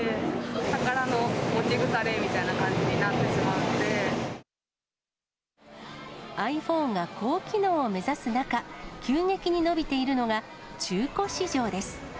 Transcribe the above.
宝の持ち腐れみたいな感じにｉＰｈｏｎｅが高機能を目指す中、急激に伸びているのが、中古市場です。